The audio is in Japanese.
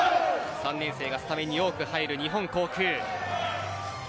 ３年生がスタメンに多く入る日本航空。